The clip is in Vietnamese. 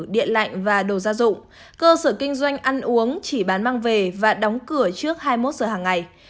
điện lạnh và đồ gia dụng cơ sở kinh doanh ăn uống chỉ bán mang về và đóng cửa trước hai mươi một giờ hàng ngày